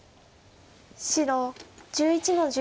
白１１の十。